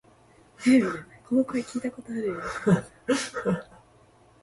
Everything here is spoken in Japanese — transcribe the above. お風呂に入る